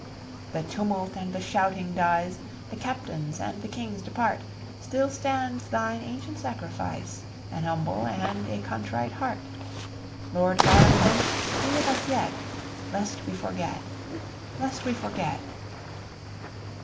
The tumult and the shouting dies The captains and the kings depart Still stands Thine ancient Sacrifice, An humble and a contrite heart. Lord God of Hosts, be with us yet, Lest we forget lest we forget!